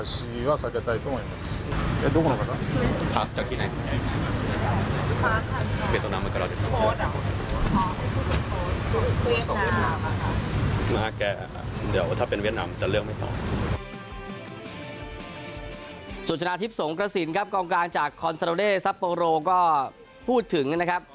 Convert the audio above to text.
ส่วนชนะทิพย์สงกระสินครับกองกลางจากคอนโซเดซัปโปโรก็พูดถึงนะครับ